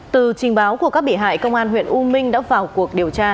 từ trình báo của các bị hại công an huyện u minh đã vào cuộc điều tra